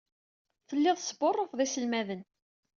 Telliḍ tesbuṛṛufeḍ iselmaden.